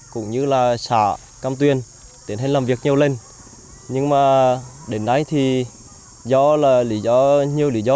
cũng như là xã cam tuyền để hành làm việc nhiều lên nhưng mà đến nay thì do là nhiều lý do